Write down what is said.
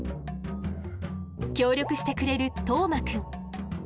協力してくれる當眞くん。